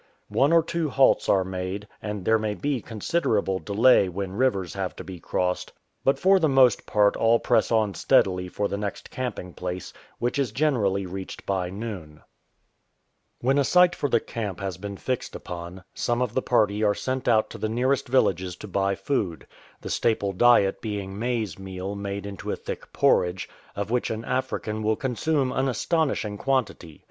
One or two halts are made, and there may be considerable delay when rivers have to be crossed. But for the most part all press on steadily for the next camping place, which is generally reached by noon. 164 THE BEESWAX HUNTERS When a site for the camp has been fixed upon, some of the party are sent out to the nearest villages to buy food — the staple diet being maize meal made into a thick porridge, of which an African will consume an astonishing quantity.